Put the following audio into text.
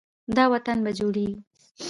دا وطن به جوړیږي.